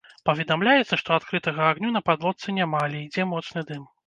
Паведамляецца, што адкрытага агню на падлодцы няма, але ідзе моцны дым.